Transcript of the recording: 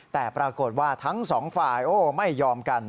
แต่ปรากฏว่าทั้งสองฝ่ายไม่ยอมกัน